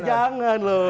ya jangan loh